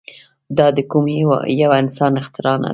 دا د کوم يوه انسان اختراع نه ده.